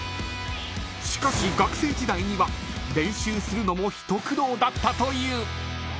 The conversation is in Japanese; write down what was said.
［しかし学生時代には練習するのも一苦労だったという］